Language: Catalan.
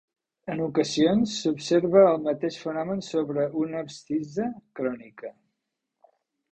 En ocasions, s'observa el mateix fenomen sobre una abscissa crònica.